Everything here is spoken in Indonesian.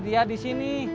dia di sini